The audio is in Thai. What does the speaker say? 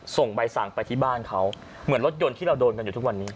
ส่งใบสั่งไปที่บ้านเขาเหมือนรถยนต์ที่เราโดนกันอยู่ทุกวันนี้